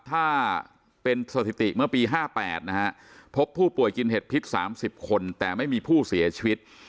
ถ้าเป็นสถิติเมื่อปี๕๘นะฮะพบผู้ป่วยกินเห็ดพิษ๓๐คนแต่ไม่มีผู้เสียชีวิต